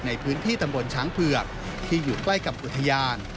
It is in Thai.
ในพื้นที่ตำบลช้างเผือกที่อยู่ใกล้กับอุทยาน